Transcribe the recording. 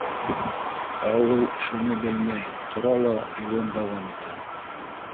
Ә ул шуны белмәй, тора ла, юлын дауам итә.